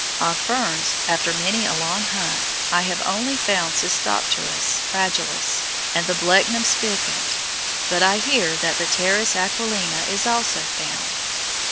Of ferns, after many a long hunt, I have only found the Cystopteris fragilis and the Blechnum spicant, but I hear that the Pteris aquilina is also found.